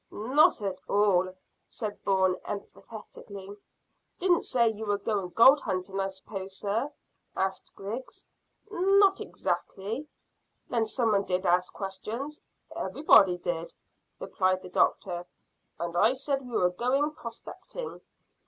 "Not at all," said Bourne emphatically. "Didn't say you were going gold hunting, I s'pose, sir?" asked Griggs. "Not exactly." "Then some one did ask questions?" "Everybody did," replied the doctor, "and I said we were going prospecting."